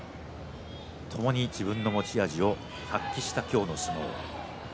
ともに自分の持ち味を発揮した今日の相撲。